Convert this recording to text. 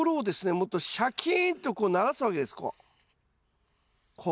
もっとシャキーンとこうならすわけですこう。